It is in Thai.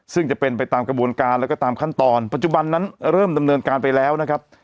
ซึ่งจะเป็นไปตามกระบวนการแล้วก็ตามขั้นตอนปัจจุบันนั้นเริ่มดำเนินการไปแล้วนะครับ